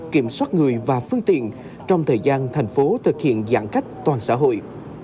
kiểm soát người và phương tiện trong thời gian thành phố thực hiện giãn cách toàn xã hội